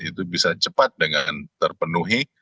itu bisa cepat dengan terpenuhi